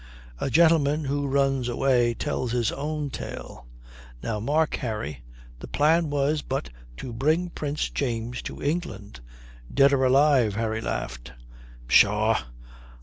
"A gentleman who runs away tells his own tale." "Now mark, Harry. The plan was but to bring Prince James to England " "Dead or alive," Harry laughed. "Pshaw.